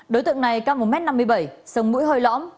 đối tượng này căm một m năm mươi bảy sông mũi hơi lõm